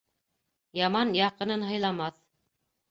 Яман яҡынын һыйламаҫ.